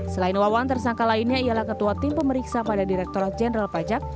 selain wawan tersangka lainnya ialah ketua tim pemeriksa pada direkturat jenderal pajak